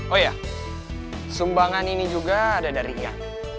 oh iya sumbangan ini juga ada dari ya